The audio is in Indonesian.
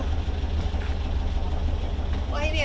silahkan kita coba